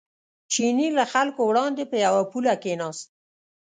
چیني له خلکو وړاندې په یوه پوله کېناست.